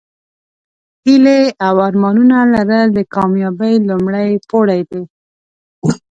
هیلې او ارمانونه لرل د کامیابۍ لومړۍ پوړۍ ده.